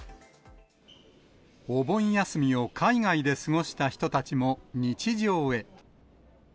お盆休みを海外で過ごした人たちも日常へ。